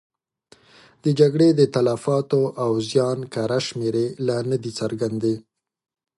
د جګړې د تلفاتو او زیان کره شمېرې لا نه دي څرګندې.